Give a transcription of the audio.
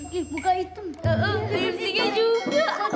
bener dugaanku dia nggak rela aku dilihat laptop